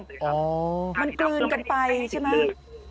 มันกลืนกันไปใช่ไหม